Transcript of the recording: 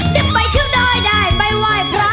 ได้ไปเที่ยวดอยได้ไปไหว้พระ